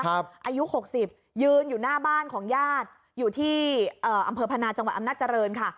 อายุ๖๐ยืนอยู่หน้าบ้านของญาติอยู่ที่อำเภอพนาจังหวัดอำนาจริงค่ะ